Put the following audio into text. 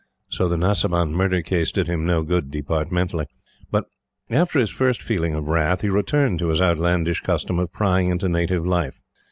So the Nasiban Murder Case did him no good departmentally; but, after his first feeling of wrath, he returned to his outlandish custom of prying into native life.